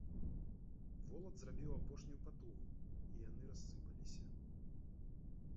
Волат зрабіў апошнюю патугу, і яны рассыпаліся.